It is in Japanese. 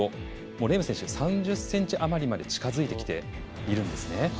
レーム選手、３０ｃｍ余りまで近づいてきているんですね。